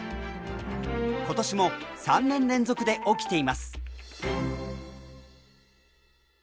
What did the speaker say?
今年も３年連続で起きています。